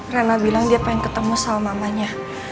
rena bilang dia pengen ketemu salmamanya